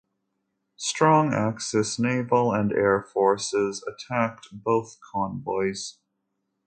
Strong Axis naval and air forces attacked both convoys.